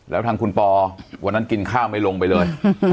แล้วทางคุณปอวันนั้นกินข้าวไม่ลงไปเลย